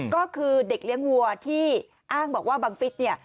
ก็คือเด็กเลี้ยงวัวที่อ้างบอกว่าบังฟิศเนี่ย